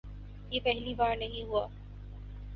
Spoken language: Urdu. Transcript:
یہ پہلی بار نہیں ہوا۔